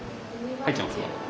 入っちゃいますか？